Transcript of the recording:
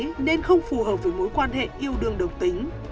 con gái nên không phù hợp với mối quan hệ yêu đương độc tính